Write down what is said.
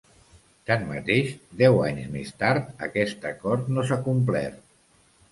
Tanmateix, deu anys més tard, aquest acord no s’ha complert.